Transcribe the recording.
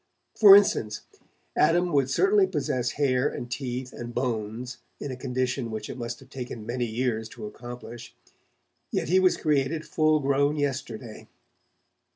For instance, Adam would certainly possess hair and teeth and bones in a condition which it must have taken many years to accomplish, yet he was created full grown yesterday.